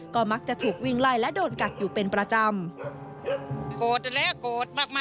ก็มักจะถูกวิ่งไล่และโดนกัดอยู่เป็นประจำ